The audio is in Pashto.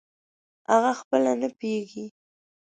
اغه خپله نه پییږي